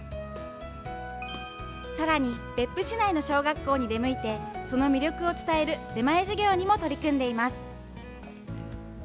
さらに別府市内の小学校に出向いて、その魅力を伝える出前授業にも取り組んでいます。